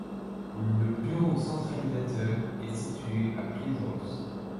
Le bureau centralisateur est situé à Plaisance.